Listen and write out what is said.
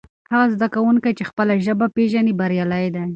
هغه زده کوونکی چې خپله ژبه پېژني بریالی دی.